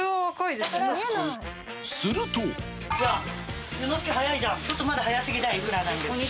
すると早いじゃんちょっとまだ早過ぎだよ